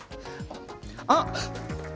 あっ！